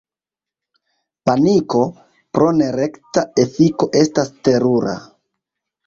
Paniko, pro nerekta efiko, estas terura.